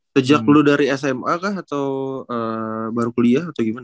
sejak dulu dari sma kah atau baru kuliah atau gimana